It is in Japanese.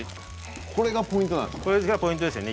これがポイントなんですか？